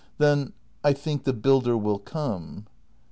] Then I think the builder will come.